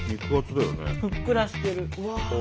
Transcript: ふっくらしてる。